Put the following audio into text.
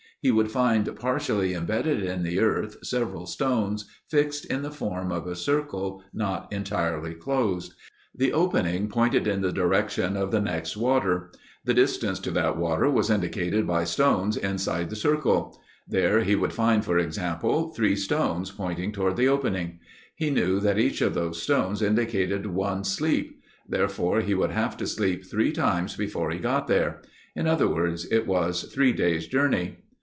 He would find partially imbedded in the earth several stones fixed in the form of a circle not entirely closed. The opening pointed in the direction of the next water. The distance to that water was indicated by stones inside the circle. There he would find for example, three stones pointing toward the opening. He knew that each of those stones indicated one "sleep." Therefore he would have to sleep three times before he got there. In other words, it was three days' journey.